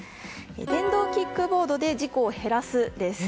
電動キックボードで事故を減らす、です。